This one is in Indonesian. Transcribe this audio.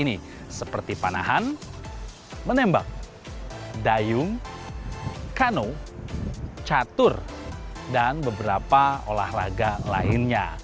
menahan menembak dayung kano catur dan beberapa olahraga lainnya